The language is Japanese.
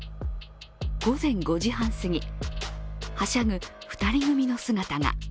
午前５時半すぎ、はしゃぐ２人組の姿が。